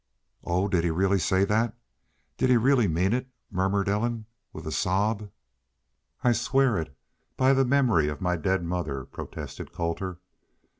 '" "Oh, did he really say that? ... Did he really mean it?" murmured Ellen, with a sob. "I'll swear it by the memory of my daid mother," protested Colter.